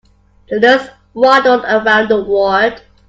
The nurse waddled around the ward.